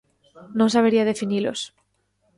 Non sabería definilos.